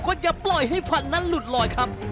อย่าปล่อยให้ฟันนั้นหลุดลอยครับ